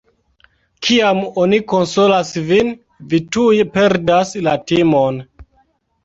Kiam oni konsolas vin, vi tuj perdas la timon.